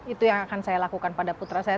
itu yang akan saya lakukan pada putra saya